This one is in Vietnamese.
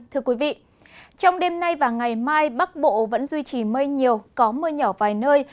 thưa quý vị trong đêm nay và ngày mai bắc bộ vẫn duy trì mây nhiều có mưa nhỏ vài nơi